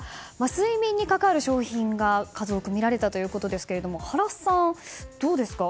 睡眠に関わる商品が数多く見られたということですが原さん、どうですか？